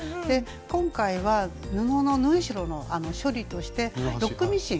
今回は布の縫い代の処理としてロックミシン。